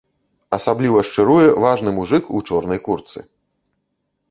Асабліва шчыруе важны мужык у чорнай куртцы.